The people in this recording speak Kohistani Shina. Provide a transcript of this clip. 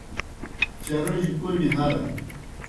چاروجیْ کوْمی ہرہ۔